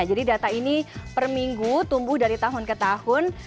jadi data ini per minggu tumbuh dari tahun ke tahun